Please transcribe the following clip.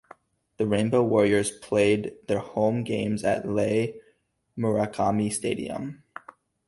The Rainbow Warriors played their home games at Les Murakami Stadium.